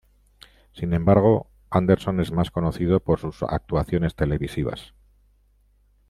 Sin embargo, Anderson es más conocido por sus actuaciones televisivas.